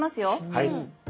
はい。